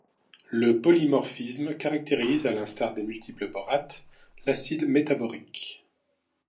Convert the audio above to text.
Le polymorphisme caractérise, à l'instar des multiples borates, l'acide métaborique.